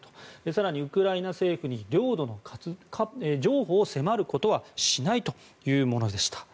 更にウクライナ政府に領土の譲歩を迫ることはしないというものでした。